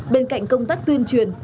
bên cạnh công tác tuyên truyền